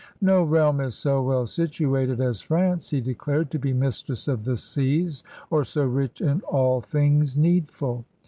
^^No realm is so well situated as France,'* he declared, "to be mistress of the seas or so rich in all things needful."